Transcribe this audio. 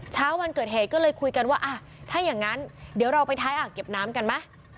เช้าวันเกิดเหตุก็เลยคุยกันว่าถ้าอย่างนั้นเดี๋ยวเราไปท้ายอ่างเก็บน้ำกันไหม